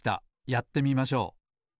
やってみましょう。